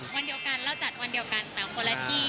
วันเดียวกันเราจัดวันเดียวกันต่างคนละที่